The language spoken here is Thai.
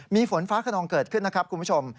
มีฝนฟ้าขนองเกิดขึ้นนะครับคุณผู้ชม